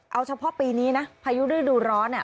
เอาเฉพาะปีนี้นะพายุฤดูร้อน